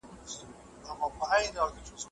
ټول غواړي نظم بیرته راولي.